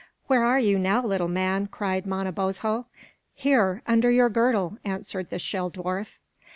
"Where are you now, little man?" cried Manabozho. "Here, under your girdle," answered the shell dwarf.